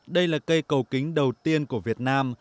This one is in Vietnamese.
đây là cây cầu kính đầu tiên của việt nam